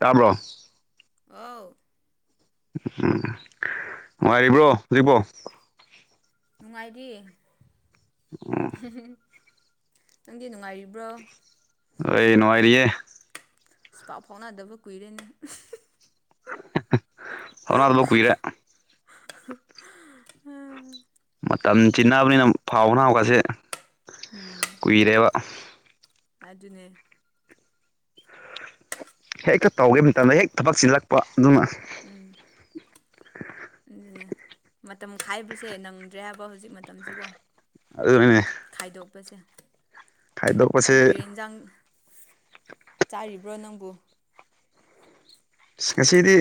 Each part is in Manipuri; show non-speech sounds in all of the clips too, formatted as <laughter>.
ꯇꯥꯕ꯭ꯔꯣ ꯑꯥꯎ ꯎꯝ ꯅꯨꯡꯉꯥꯏꯔꯤꯕ꯭ꯔꯣ ꯍꯖꯤꯕꯣ ꯅꯨꯡꯉꯥꯏꯔꯤ ꯎꯝ <unintelligible> ꯅꯪꯗꯤ ꯅꯨꯡꯉꯥꯏꯔꯤꯕ꯭ꯔꯣ <unintelligible> ꯅꯨꯡꯉꯥꯏꯔꯤꯌꯦ ꯄꯥꯎ ꯐꯥꯎꯅꯗꯕ ꯀꯨꯏꯔꯦꯅꯦ <unintelligible> ꯀꯨꯏꯔꯦ <unintelligible> ꯃꯇꯝ ꯆꯤꯟꯅꯕꯅꯤꯅ ꯐꯥꯎꯅꯥꯎꯒꯁꯦ ꯎꯝ ꯀꯨꯏꯔꯦꯕ ꯑꯗꯨꯅꯦ ꯍꯦꯛꯇ ꯇꯧꯒꯦ ꯃꯇꯝꯗ ꯍꯦꯛ ꯊꯕꯛ ꯆꯤꯜꯂꯛꯄ ꯑꯗꯨꯅ ꯎꯝ ꯎ ꯃꯇꯝ ꯈꯥꯏꯕꯁꯦ ꯅꯪꯗ꯭ꯔꯦ ꯍꯥꯏꯕ ꯍꯧꯖꯤꯛ ꯃꯇꯝꯁꯦꯀꯣ ꯑꯗꯨꯅꯅꯦ ꯈꯥꯏꯗꯣꯛꯄꯁꯦ ꯈꯥꯏꯗꯣꯛꯄꯁꯦ ꯀꯔꯤ ꯀꯔꯤ ꯏꯟꯖꯥꯡ ꯆꯥꯔꯤꯕ꯭ꯔꯣ ꯅꯪꯕꯨ ꯉꯁꯤꯗꯤ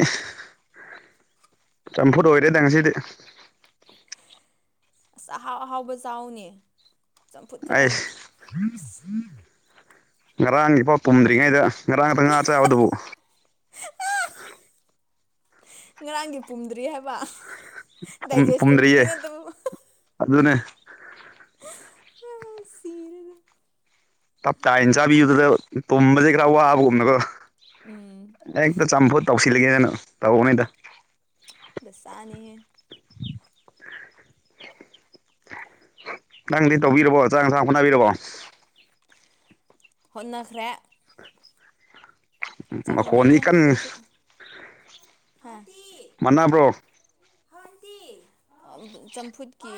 ꯆꯝꯐꯨꯠ ꯑꯣꯏꯔꯦꯅꯦ ꯉꯁꯤꯗꯤ ꯑꯁ ꯑꯍꯥꯎ ꯑꯍꯥꯎꯕ ꯆꯥꯎꯅꯦ ꯆꯝꯐꯨꯠ ꯈꯛꯇꯪ ꯉꯔꯥꯡꯒꯤ ꯐꯥꯎ ꯄꯨꯝꯗ꯭ꯔꯤꯉꯩꯗ ꯉꯥꯛꯇ ꯉꯥ ꯆꯥꯕꯗꯨꯕꯨ ꯉꯔꯥꯡꯒꯤ ꯄꯨꯝꯗ꯭ꯔꯤ ꯍꯥꯏꯕ ꯗꯥꯏꯖꯦꯁ ꯇꯧꯗ꯭ꯔꯤ ꯄꯨꯝꯗ꯭ꯔꯤꯌꯦ ꯅꯠꯇꯕ ꯑꯗꯨꯅꯦ ꯁꯤꯔꯦꯗ ꯇꯞꯇꯥꯢꯅ ꯆꯥꯕꯤꯕꯗ ꯄꯨꯝꯕꯁꯦ ꯈꯔ ꯋꯥꯕꯒꯨꯝꯅꯀꯣ ꯎꯝ ꯑꯦꯛꯇ ꯆꯝꯐꯨꯠ ꯇꯧꯁꯤꯜꯂꯒꯦꯅ ꯇꯧꯕꯅꯤꯗ ꯁꯤꯗ ꯆꯥꯅꯤꯡꯉꯦ ꯅꯪꯗꯤ ꯇꯧꯕꯤꯔꯕꯣ ꯆꯥꯛ ꯏꯟꯁꯥꯡ ꯍꯣꯠꯅꯕꯤꯔꯕꯣ ꯍꯣꯠꯅꯈ꯭ꯔꯦ ꯆꯞ ꯃꯈꯣꯟꯗꯤ ꯃꯥꯟꯅꯩꯗ ꯀꯟ ꯑꯩꯈꯣꯏꯁꯨ ꯍꯥ ꯃꯥꯟꯅꯥꯕ꯭ꯔꯣ ꯆꯝꯐꯨꯠꯀꯤ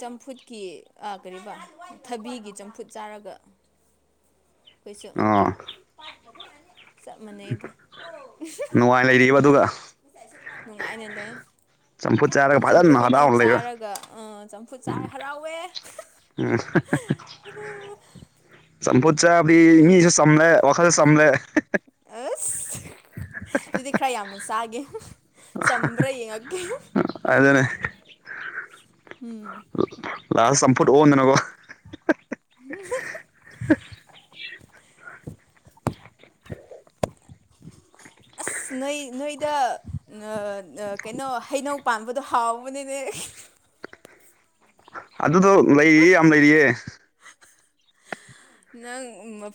ꯆꯝꯐꯨꯠꯀꯤ ꯑ ꯀꯔꯤꯕ ꯊꯕꯤꯒꯤ ꯆꯝꯐꯨꯠ ꯆꯥꯔꯒ ꯑꯈꫭꯏꯁꯨ ꯑꯣ ꯆꯞ ꯃꯅꯩꯗ ꯅꯨꯡꯉꯥꯏ ꯂꯩꯔꯤꯕ ꯑꯗꯨꯒ ꯅꯨꯡꯉꯥꯏꯅ ꯂꯩ ꯆꯝꯐꯨꯠ ꯆꯥꯔꯒ ꯆꯝꯐꯨꯠ ꯐꯖꯅ ꯈꯛꯇꯪ ꯍꯔꯥꯎꯅ ꯂꯩꯕ ꯆꯥꯔꯒ ꯐꯨꯠꯆꯥꯏ ꯍꯔꯥꯎꯋꯦ ꯎꯝ <unintelligible> ꯆꯝꯐꯨꯠ ꯆꯕꯗꯤ ꯃꯤꯁꯨ ꯆꯝꯂꯦ ꯋꯥꯈꯜꯁꯨ ꯆꯝꯂꯦ ꯑꯁ ꯑꯗꯨꯗꯤ ꯈꯔ ꯌꯥꯝꯅ ꯆꯥꯒꯦ ꯆꯝꯕ꯭ꯔꯥ ꯌꯦꯡꯉꯛꯒꯦ ꯑꯗꯨꯅꯦ ꯎꯝ ꯂꯥꯁ ꯆꯝꯐꯨꯠ ꯑꯣꯟꯗꯅꯀꯣ <unintelligible> <inaudible> ꯑꯁ ꯅꯣꯏ ꯅꯣꯏꯗ ꯅ ꯅ ꯀꯩꯅꯣ ꯍꯩꯅꯧ ꯄꯥꯟꯕꯗꯣ ꯍꯥꯎꯕꯅꯤꯅꯦ ꯑꯗꯨꯗꯣ ꯂꯩꯔꯤꯌꯦ ꯌꯥꯝ ꯂꯩꯔꯤꯌꯦ ꯅꯪ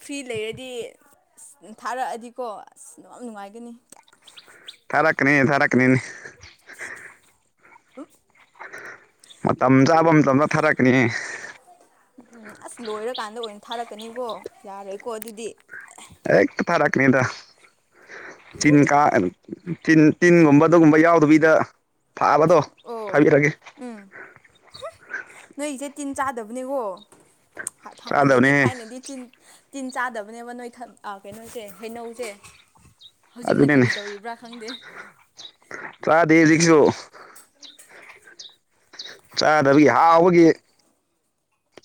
ꯐ꯭ꯔꯤ ꯂꯩꯔꯗꯤ ꯑ ꯊꯥꯔꯛꯑꯗꯤꯀꯣ ꯑꯁ ꯑꯗꯨ ꯌꯥꯝ ꯅꯨꯡꯉꯥꯏꯒꯅꯤ ꯊꯔꯛꯀꯅꯦ ꯊꯥꯔꯛꯀꯅꯤꯅꯦ ꯎꯝ ꯃꯇꯝ ꯆꯥꯕ ꯃꯇꯝꯗ ꯊꯥꯔꯛꯀꯅꯤ ꯎꯝ ꯑꯁ ꯂꯣꯏꯔꯀꯥꯟꯗ ꯑꯣꯏꯅ ꯊꯥꯔꯛꯀꯅꯤꯕꯣ ꯌꯥꯔꯣꯏꯀꯣ ꯑꯗꯨꯗꯤ ꯑꯦ ꯈꯔꯔꯛꯅꯤꯗ ꯆꯤꯟ ꯀꯥ ꯆꯤꯟ ꯇꯤꯟꯒꯨꯝꯕ ꯑꯗꯨꯒꯨꯝꯕ ꯌꯥꯎꯗꯕꯤꯗ ꯐꯥꯕꯗꯣ ꯑꯣ ꯈꯪꯉꯦ ꯈꯪꯉꯦ ꯎꯝ ꯅꯣꯏꯒꯤꯁꯦ ꯇꯤꯟ ꯆꯥꯗꯕꯅꯦꯀꯣ ꯍꯥꯟꯅꯗꯤ ꯆꯥꯗꯕꯅꯦꯍꯦ ꯊꯥꯏꯅꯗꯤ ꯇꯤꯟ ꯇꯤꯟ ꯆꯥꯗꯕꯅꯦꯕ ꯅꯣꯏ ꯈꯪ ꯑ ꯀꯩꯅꯣꯁꯦ ꯍꯩꯅꯧꯁꯦ ꯍꯧꯖꯤꯛꯅ ꯑꯗꯨꯅꯤꯅꯦ ꯀꯔꯤ ꯇꯧꯔꯤꯕ꯭ꯔꯥ ꯈꯪꯗꯦ ꯆꯥꯗꯦ ꯍꯧꯖꯤꯛꯁꯨ ꯆꯥꯗꯕꯒꯤ ꯍꯥꯎꯕꯒꯤ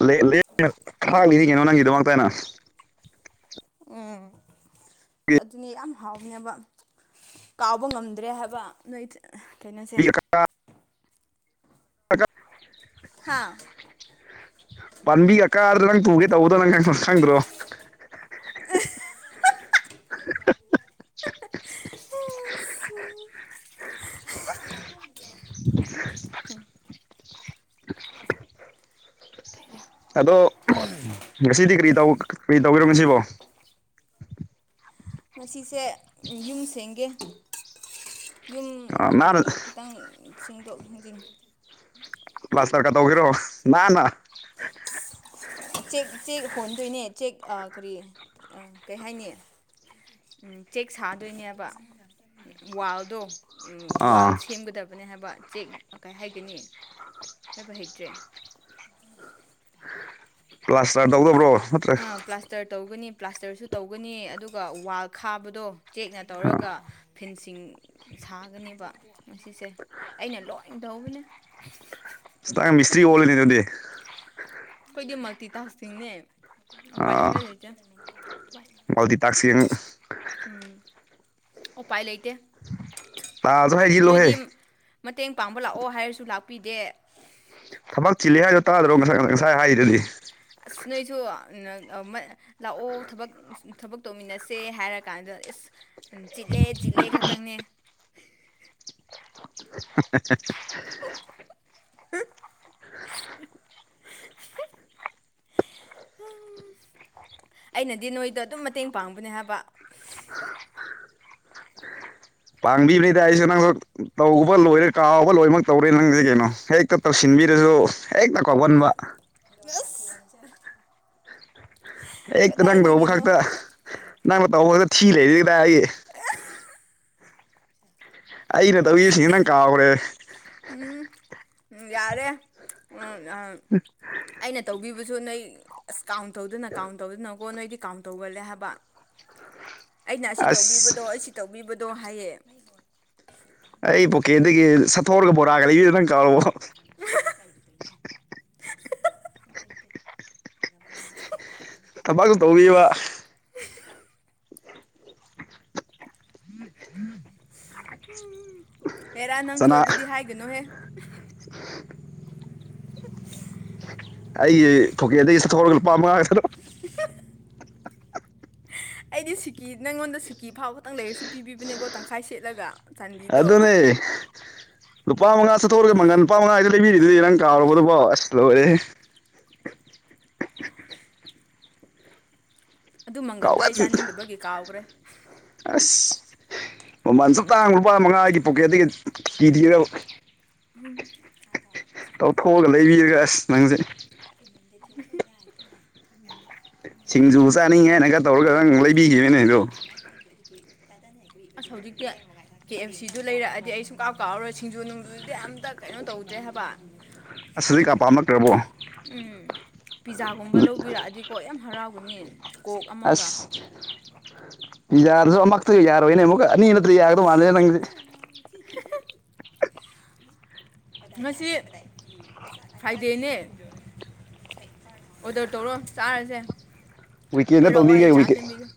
ꯂꯩꯋꯦ ꯂꯦꯡꯅ ꯊꯔꯥꯛꯂꯤꯔꯤ ꯀꯩꯅꯣ ꯅꯪꯒꯤꯗꯃꯛꯇꯅ ꯎꯝ ꯑꯗꯨꯅꯦ ꯌꯥꯝ ꯍꯥꯎꯋꯦ ꯀꯥꯎꯕ ꯉꯝꯗ꯭ꯔꯦ ꯍꯥꯏꯕ ꯅꯣꯏ ꯀꯩꯅꯣꯁꯦ ꯍꯥꯥ ꯄꯥꯟꯕꯤꯒ ꯀꯥꯔꯗ ꯅꯪ ꯇꯨꯒꯦ ꯇꯧꯕꯗꯣ ꯅꯪ ꯈꯪ ꯈꯪꯗ꯭ꯔꯣ <inaudible> ꯑꯗꯣ ꯉꯁꯤꯗꯤ ꯀꯔꯤ ꯇꯧ ꯀꯔꯤ ꯇꯧꯔꯤꯉꯁꯤꯕꯣ ꯉꯁꯤꯁꯦ ꯌꯨꯝ ꯁꯦꯡꯒꯦ ꯌꯨꯝ ꯑ ꯅꯥꯟꯅ ꯈꯤꯇꯪ ꯁꯤꯡꯗꯣꯛ ꯍꯦꯟꯖꯤꯡ ꯄ꯭ꯂꯥꯁꯇꯔ ꯀ ꯇꯧꯒꯦꯔꯣ ꯅꯥꯟꯅ ꯆꯦꯛ ꯆꯦꯛ ꯍꯣꯟꯗꯣꯏꯅꯦ ꯆꯦꯛ ꯀꯔꯤ ꯀꯩ ꯍꯥꯏꯅꯤ ꯎꯝ ꯆꯦꯛ ꯁꯥꯗꯣꯏꯅꯦꯕ ꯋꯥꯜꯗꯣ ꯋꯥꯜ ꯑꯥ ꯁꯦꯝꯒꯗꯕꯅꯦ ꯍꯥꯏꯕ ꯆꯦꯛ ꯀꯥꯏ ꯍꯩꯒꯅꯤ ꯍꯥꯏꯕ ꯍꯩꯇ꯭ꯔꯦ ꯄ꯭ꯂꯥꯁꯇꯔ ꯇꯧꯗꯕ꯭ꯔꯣ ꯅꯠꯇ꯭ꯔ ꯑ ꯄ꯭ꯂꯥꯁꯇꯔ ꯇꯧꯒꯅꯤ ꯄ꯭ꯂꯥꯁꯇꯔꯁꯨ ꯇꯧꯒꯅꯤ ꯑꯗꯨꯒ ꯋꯥꯜ ꯈꯥꯕꯗꯣ ꯆꯦꯛꯅ ꯑꯥ ꯇꯧꯔꯒ ꯐꯦꯟꯁꯤꯡ ꯁꯥꯒꯅꯦꯕ ꯉꯁꯤꯁꯦ ꯑꯩꯅ ꯂꯣꯏ ꯇꯧꯕꯅꯦ ꯏꯁ ꯅꯪ ꯃꯤꯁꯇ꯭ꯔꯤ ꯑꫭꯜꯂꯦꯅꯦ ꯑꯗꯨꯗꯤ ꯑꯩꯈꯣꯏꯗꯤ ꯃꯜꯇꯤ ꯇꯥꯛꯁꯅꯤꯅꯦ ꯎꯄꯥꯏ ꯑꯥ ꯁꯨꯝꯂꯩ ꯂꯩꯇꯦ ꯃꯜꯇꯤ ꯇꯥꯛꯁꯀꯤꯡ ꯎꯝ ꯎꯄꯥꯏ ꯂꯩꯇꯦ <inaudible> ꯇꯥꯖ ꯍꫭꯏ ꯅꯣꯏꯗꯤ ꯃꯇꯦꯡ ꯄꯥꯡꯕ ꯂꯥꯛꯑꯣ ꯍꯥꯏꯔꯁꯨ ꯂꯥꯛꯄꯤꯗꯦ ꯊꯕꯛ ꯆꯤꯜꯂꯦ ꯍꯥꯏꯗꯣ ꯇꯥꯗ꯭ꯔꯣ ꯉꯁꯥꯏ ꯉꯁꯥꯏ ꯍꯥꯏꯔꯤꯗꯨꯗꯤ ꯑꯁ ꯅꯣꯏꯁꯨ <unintelligible> ꯂꯥꯛꯑꯣ ꯊꯕꯛ ꯊꯕꯛ ꯇꯧꯃꯤꯟꯅꯁꯦ ꯍꯥꯏꯔ ꯀꯥꯟꯗ ꯏꯁ ꯆꯤꯜꯂꯦ ꯆꯤꯜꯂꯦ ꯈꯛꯇꯪꯅꯦ <unintelligible> <inaudible> ꯎꯝ ꯑꯩꯅꯗꯤ ꯅꯣꯏꯗꯣ ꯑꯗꯨꯝ ꯃꯇꯦꯡ ꯄꯥꯡꯕꯅꯦ ꯍꯥꯏꯕ ꯄꯥꯡꯕꯤꯕꯅꯦꯗ ꯑꯩꯁꯨ ꯅꯪꯁꯨ ꯇꯧꯕ ꯂꯣꯏꯔꯦ ꯀꯥꯎꯕ ꯂꯣꯏꯃꯛ ꯇꯧꯔꯦ ꯅꯪꯁꯦ ꯀꯩꯅꯣ ꯍꯦꯛ ꯇ ꯇꯧꯁꯤꯟꯕꯤꯔꯁꯨ ꯍꯦꯛꯇ ꯀꯥꯎꯒꯟꯕ ꯑꯁ ꯍꯦꯛꯇ ꯅꯪ ꯇꯧꯕ ꯈꯛꯇ ꯀꯗꯥꯏꯗꯒꯤꯅꯣ ꯅꯪꯅ ꯇꯧꯕꯗ ꯊꯤ ꯂꯩꯔꯤ ꯗꯥ ꯑꯩ ꯑꯩꯅ ꯇꯧꯏꯁꯤꯡ ꯅꯪ ꯀꯥꯎꯈ꯭ꯔꯦ ꯎꯝ ꯌꯥꯔꯦ ꯎꯝ ꯑ <inaudible> ꯑꯩꯅ ꯇꯧꯕꯤꯕꯁꯨ ꯅꯣꯏ ꯑꯁ ꯀꯥꯎꯟ ꯇꯧꯗꯨꯅ ꯀꯥꯎꯟ ꯇꯧꯗꯨꯅ ꯀꯣ ꯅꯣꯏꯗꯤ ꯀꯥꯎꯟ ꯇꯧꯒꯜꯂꯦ ꯍꯥꯏꯕ ꯑꯩꯅ ꯑꯁꯤ ꯑꯁ ꯇꯧꯕꯤꯕꯗꯣ ꯑꯁꯤ ꯇꯧꯕꯤꯕꯗꯣ ꯍꯥꯏꯌꯦ ꯑꯩ ꯄꯣꯀꯦꯗꯒꯤ ꯁꯠꯊꯣꯛꯂꯒ ꯕꯣꯔꯥꯒ ꯂꯩꯕꯤꯗꯨꯣ ꯅꯪ ꯀꯥꯎꯔꯕꯣ <inaudible> <inaudible> ꯊꯕꯛ ꯇꯧꯔꯤꯕ <inaudible> ꯍꯦꯔꯥ ꯅꯪꯁꯨ ꯆꯅꯥ ꯑꯗꯨꯗꯤ ꯍꯥꯏꯒꯅꯨꯍꯦ ꯑꯩꯒꯤ ꯐꯣꯀꯦꯗꯒꯤ ꯁꯠꯊꯣꯛꯂꯒ ꯂꯨꯄꯥ ꯃꯉꯥꯒꯗꯣ <inaudible> ꯑꯩꯗꯤ ꯁꯤꯀꯤ ꯅꯪꯉꯣꯟꯗ ꯁꯤꯀꯤ ꯐꯥꯎ ꯈꯇꯪ ꯂꯩꯔꯁꯨ ꯄꯤꯕꯤꯕꯅꯦꯀꯣ ꯇꯪꯈꯥꯏ ꯁꯦꯠꯂꯒ ꯆꯥꯟꯗꯤꯗꯣ ꯑꯦ ꯂꯨꯄꯥ ꯃꯉꯥ ꯁꯠꯊꯣꯛꯔꯒ ꯃꯪꯉꯜ ꯂꯨꯄꯥ ꯃꯉꯥ ꯗꯨ ꯂꯩꯕꯤꯔꯤꯗꯨꯗꯤ ꯅꯪ ꯀꯥꯎꯔ ꯕꯣꯗꯨꯕꯣ ꯑꯁ ꯂꯣꯏꯔꯦ ꯑꯗꯨ ꯃꯪꯒꯟꯗꯣ ꯀꯥꯎꯒꯟ ꯑꯩ ꯆꯥꯅꯤꯡꯗꯕꯒꯤ ꯀꯥꯎꯈ꯭ꯔꯦ ꯑꯁ ꯃꯃꯜ ꯁꯨꯛ ꯇꯥꯡꯕ ꯂꯨꯄꯥ ꯃꯉꯥꯒꯤ ꯄꯣꯀꯦꯠꯇꯒꯤ ꯄꯤꯈꯤꯕ ꯇꯧꯊꯣꯛꯑꯒ ꯂꯩꯕꯤꯔꯒ ꯑꯁ <unintelligible> ꯅꯪꯁꯦ <unintelligible> ꯁꯤꯡꯖꯨ ꯆꯥꯅꯤꯡꯉꯦ ꯍꯥꯏꯅꯒ ꯇꯧꯔꯒ ꯅꯪ ꯂꯩꯕꯤꯈꯤꯕꯅꯦ ꯑꯩꯗꯨ <unintelligible> ꯑꯁ ꯍꯧꯖꯤꯛꯇꯤ ꯀꯦ ꯑꯐ ꯁꯤꯗꯨ ꯂꯩꯔꯛ ꯑꯗꯤ ꯑꯩ ꯁꯨꯡꯀꯥꯎ ꯀꯥꯎꯔꯣꯏ ꯁꯤꯡꯖꯨ ꯅꯨꯡꯖꯨ ꯗꯤ ꯑꯝꯇ ꯀꯩꯅꯣ ꯇꯧꯗ꯭ꯔꯦ ꯍꯥꯏꯕ ꯑꯁ ꯍꯧꯖꯤꯛ ꯀꯥ ꯄꯥꯝꯃꯛꯇ꯭ꯔꯕꯣ ꯎꯝ ꯄꯤꯖꯥ ꯒꯨꯝꯕ ꯂꯧꯕꯤꯔꯛ ꯑꯗꯤꯀꯣ ꯌꯥꯝ ꯍꯔꯥꯎꯒꯅꯤ ꯀꯣꯛ ꯑꯃꯒ ꯑꯁ ꯄꯤꯖꯥ ꯗꯨꯁꯨ ꯑꯃ ꯈꯛꯇꯒꯤ ꯌꯥꯔꯣꯏꯅꯦ ꯑꯃꯨꯛꯀ ꯑꯅꯤ ꯅꯠꯇ꯭ꯔ ꯌꯥꯒꯗꯧ ꯃꯜꯂꯦ ꯅꯪꯗꯤ <inaudible> ꯉꯁꯤ ꯐ꯭ꯔꯥꯏꯗꯦꯅꯦ ꯑꯣꯗꯔ ꯇꯧꯔꯣ ꯆꯥꯔꯁꯦ ꯎꯨꯛꯦ ꯇꯣꯗꯒ ꯀꯣꯏꯔꯛꯑꯣ ꯑꯩ ꯆꯥ ꯎꯛꯦ ꯁꯦꯝꯕꯤꯒꯦ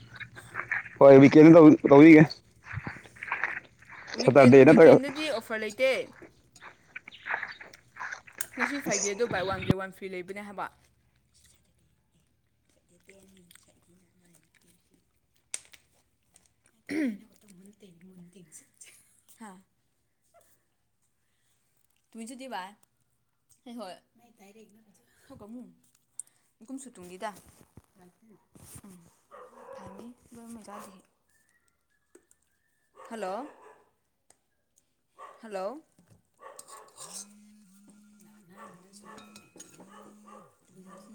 ꯍꯣꯏ ꯀꯦꯅ ꯇꯧꯕꯤꯒꯦ ꯋꯤꯀꯦꯟ ꯋꯤꯛꯀꯦꯟꯗꯗꯤ ꯑꯣꯐꯔ ꯂꯩꯇꯦ <inaudible> ꯉꯁꯤ ꯐ꯭ꯔꯥꯏꯗꯦ ꯑꯗꯨ ꯕꯥꯏ ꯋꯥꯟꯒꯤꯦ ꯋꯥꯟ ꯐ꯭ꯔꯤ ꯂꯩꯕꯅꯦ ꯍꯥꯏꯕ ꯑꯦꯕꯅꯤ ꯁꯥꯏꯗꯤ ꯎꯇ ꯍꯥ ꯁꯨꯗꯤꯕꯥ ꯍꯣꯏ ꯍ ꯀꯣ <unintelligible> ꯊꯅꯤ ꯕ ꯃ ꯆꯥꯗꯦ <inaudible> ꯍꯜꯂꯣ ꯍꯜꯂꯣ <inaudible>